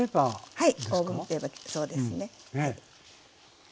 はい。